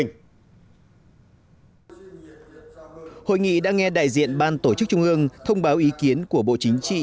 hội nghị đã nghe đại diện ban tổ chức trung ương thông báo ý kiến của bộ chính trị